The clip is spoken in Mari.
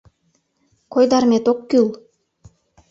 Койдарымет ок кӱл.